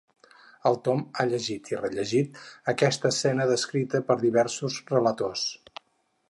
El Tom ha llegit i rellegit aquesta escena descrita per diversos relators.